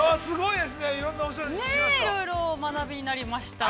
いろんな◆いろいろ学びになりました。